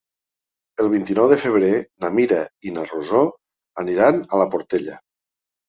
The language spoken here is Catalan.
El vint-i-nou de febrer na Mira i na Rosó aniran a la Portella.